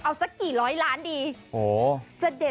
เอาสักกี่ร้อยล้านสำหรับดี